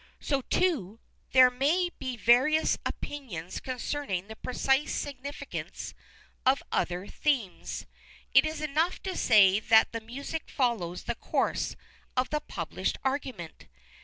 So, too, there may be various opinions concerning the precise significance of other themes. It is enough to say that the music follows the course of the published argument.